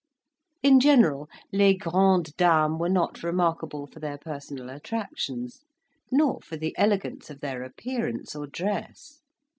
In general, les grandes dames were not remarkable for their personal attractions, nor for the elegance of their appearance or dress.